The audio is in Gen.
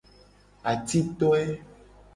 Atitoe.